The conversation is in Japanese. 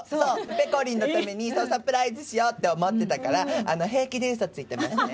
ぺこりんのためにそう、サプライズしようって思ってたから、平気でうそついてましたよ。